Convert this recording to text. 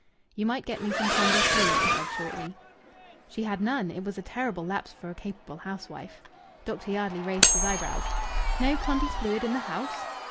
"You might get me some Condy's Fluid," he said shortly. She had none! It was a terrible lapse for a capable housewife. Dr. Yardley raised his eyebrows: "No Condy's Fluid in the house!"